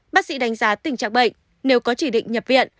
bác sĩ đánh giá tình trạng bệnh nếu có chỉ định nhập viện